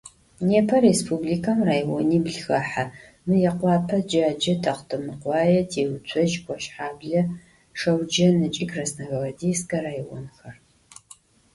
Nêpe Rêspublikem rayonibl xehe: Mıêkhope, Cece, Texhutemıkhoê, Têutsoj, Koşhable, Şşeucen ıç'i Krasnogvardêyske rayonxer.